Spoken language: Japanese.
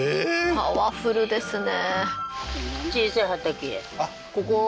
パワフルですね